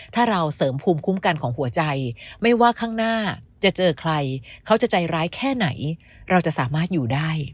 ถ้าเราเสริมภูมิคุ้มกันของหัวใจไม่ว่าข้างหน้าจะเจอใครเขาจะใจร้ายแค่ไหนเราจะสามารถอยู่ได้